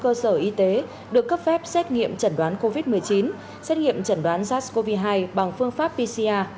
cơ sở y tế được cấp phép xét nghiệm chẩn đoán covid một mươi chín xét nghiệm chẩn đoán sars cov hai bằng phương pháp pcr